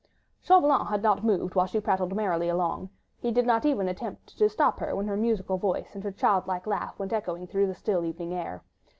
'" Chauvelin had not moved while she prattled merrily along; he did not even attempt to stop her when her musical voice and her childlike laugh went echoing through the still evening air.